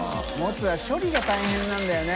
皀弔処理が大変なんだよね